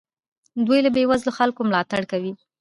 دوی له بې وزلو خلکو ملاتړ کوي.